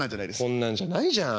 こんなんじゃないじゃん。